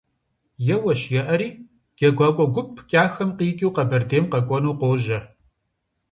Еуэщ-еӀэри, джэгуакӀуэ гуп КӀахэм къикӀыу Къэбэрдейм къэкӀуэну къожьэ.